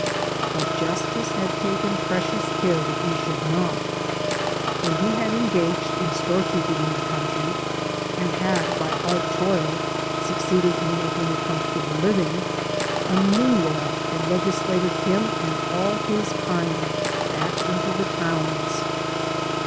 But justice had taken precious care that he should not. When he had engaged in storekeeping in the country and had, by hard toil, succeeded in making a comfortable living, a new law had legislated him and aU his kind back into the towns.